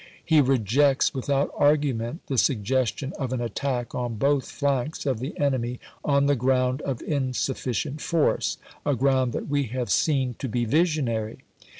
He rejects without argument the suggestion of an attack on both flanks of the enemy, on the ground of insufficient force — a ground that we have seen to be visionary.